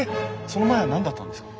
その前は何だったんですか？